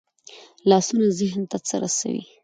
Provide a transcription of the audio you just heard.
لاسونه ذهن ته څه رسوي